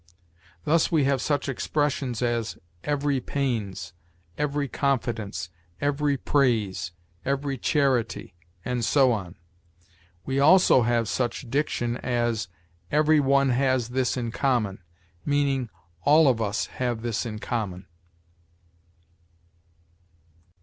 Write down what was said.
Thus we have such expressions as every pains, every confidence, every praise, every charity, and so on. We also have such diction as, "Every one has this in common"; meaning, "All of us have this in common."